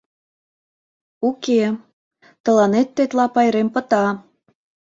Уке-е, тыланет тетла пайрем пыта!